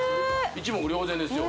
一目瞭然ですよ